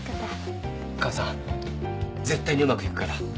母さん絶対にうまくいくから。